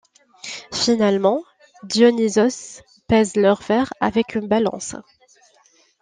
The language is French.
Finalement, Dionysos pèse leurs vers avec une balance.